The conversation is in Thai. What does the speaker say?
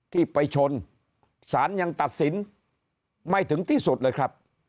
ที่ไปชนสารยังตัดสินไม่ถึงที่สุดเลยครับ